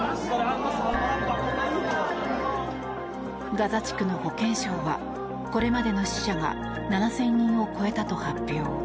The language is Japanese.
ガザ地区の保健省はこれまでの死者が７０００人を超えたと発表。